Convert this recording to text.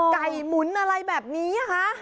อ๋อไก่หมุนอะไรแบบนี้หะ